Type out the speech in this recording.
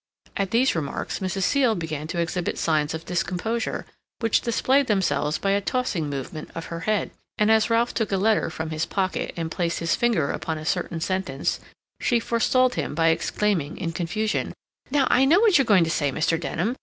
At these remarks Mrs. Seal began to exhibit signs of discomposure, which displayed themselves by a tossing movement of her head, and, as Ralph took a letter from his pocket, and placed his finger upon a certain sentence, she forestalled him by exclaiming in confusion: "Now, I know what you're going to say, Mr. Denham!